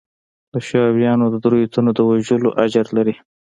د شورويانو د درېو تنو د وژلو اجر لري.